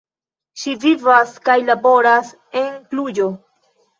Ŝi vivas kaj laboras en Kluĵo.